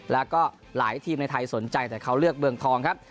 แล้วก็หลายทีมในไทยสนใจแต่เขาเลือกเมืองทองครับ